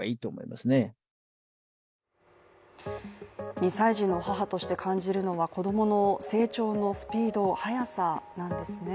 ２歳児の母として感じるのは子供の成長のスピード、早さなんですね。